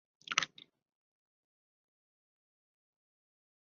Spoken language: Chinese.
小粗筒苣苔为苦苣苔科粗筒苣苔属下的一个种。